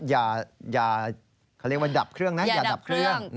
อย่าเขาเรียกว่าดับเครื่องนะอย่าดับเครื่อง